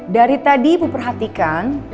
dari tadi ibu perhatikan